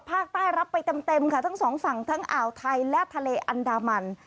ภาคใต้รับไปเต็มค่ะทั้งสองฝั่งทั้งอ่าวไทยและทะเลอันดามัน